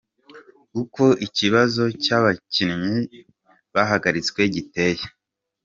Uko ikibazo cy'aba bakinnyi bahagaritswe giteye :.